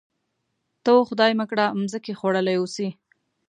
ته وا خدای مه کړه مځکې خوړلي اوسي.